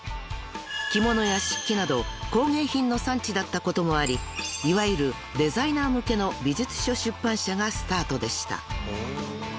［着物や漆器など工芸品の産地だったこともありいわゆるデザイナー向けの美術書出版社がスタートでした］